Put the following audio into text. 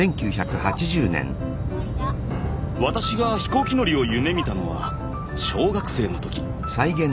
私が飛行機乗りを夢みたのは小学生の時。